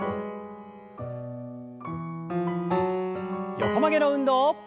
横曲げの運動。